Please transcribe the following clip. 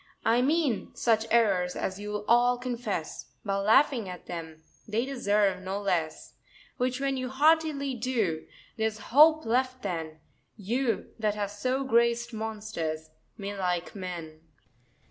I mean such errors as you'll all confess, By laughing at them, they deserve no less: Which when you heartily do, there's hope left then, You, that have so grac'd monsters, may like men.